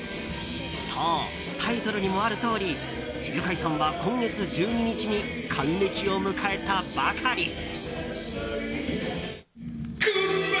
そう、タイトルにもあるとおりユカイさんは今月１２日に還暦を迎えたばかり。